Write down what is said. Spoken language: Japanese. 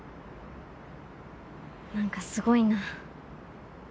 何かすごいな。